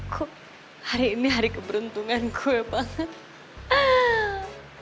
kok hari ini hari keberuntungan kue banget